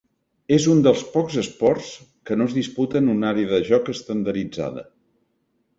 És un dels pocs esports que no es disputa en una àrea de joc estandarditzada.